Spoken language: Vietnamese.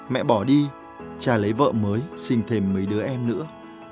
mẹ bỏ đi cha lấy vợ mới sinh thêm mấy đứa em nữa